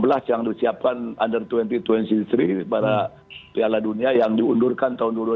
u delapan belas yang disiapkan under dua puluh dua puluh tiga pada piala dunia yang diundurkan tahun dua ribu dua puluh tiga